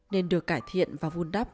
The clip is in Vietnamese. nên được cải thiện và vun đắp